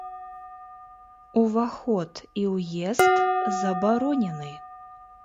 Уваход і ўезд забаронены!